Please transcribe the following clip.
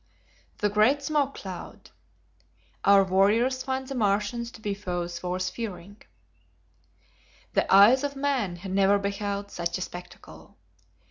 The Great Smoke Cloud. Our Warriors Find the Martians to Be Foes Worth Fearing. The eyes of man had never beheld such a spectacle!